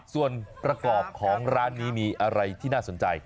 ส่วนประกอบของร้านนี้มีอะไรที่น่าสนใจ